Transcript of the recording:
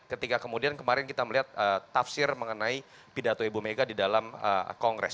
ketika kemudian kemarin kita melihat tafsir mengenai pidato ibu mega di dalam kongres